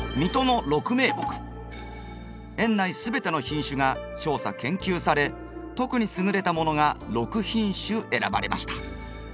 園内全ての品種が調査研究され特に優れたものが６品種選ばれました。